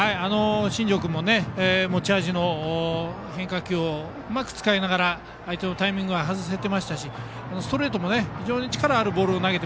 新庄君も持ち味の変化球をうまく使いながら相手のタイミングを外せていましたし、ストレートも非常に力があって。